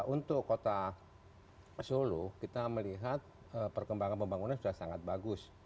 untuk kota solo kita melihat perkembangan pembangunan sudah sangat bagus